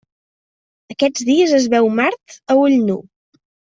Aquests dies es veu Mart a ull nu.